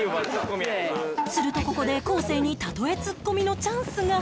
するとここで昴生に例えツッコミのチャンスが！